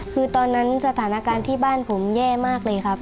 คือตอนนั้นสถานการณ์ที่บ้านผมแย่มากเลยครับ